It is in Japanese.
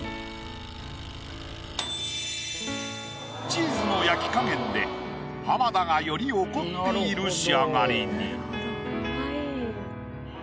チーズの焼き加減で浜田がより怒っている仕上がりに。